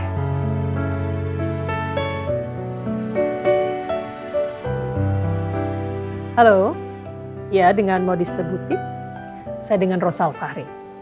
halo ya dengan modis the blue tip saya dengan rosal fahri